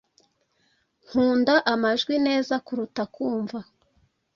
Nkunda amajwi neza kuruta kumva